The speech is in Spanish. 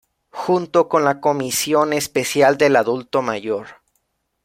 Junto con la Comisión Especial del Adulto Mayor.